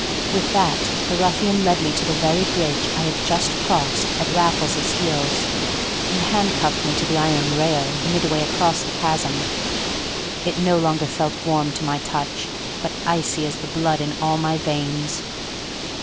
With that the ruffian led me to the very bridge I had just crossed at Raffles's heels, and handcuffed me to the iron rail midway across the chasm. It no longer felt warm to my touch, but icy as the blood in all my veins.